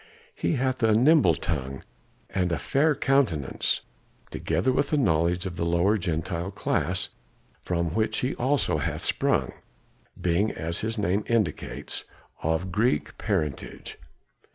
He hath a nimble tongue and a fair countenance, together with a knowledge of the lower Gentile class from which he also hath sprung, being, as his name indicates, of Greek parentage."